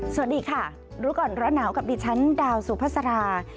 สวัสดีค่ะรู้ก่อนร้อนหนาวกับดิฉันดาวสุภาษา